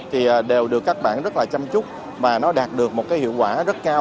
thì đều được các bạn rất là chăm chúc và nó đạt được một cái hiệu quả rất cao